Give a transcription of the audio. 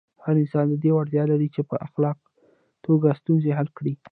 هر انسان د دې وړتیا لري چې په خلاقه توګه ستونزې حل کړي.